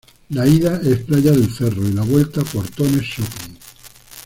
La ida es Playa del Cerro y la vuelta, Portones Shopping.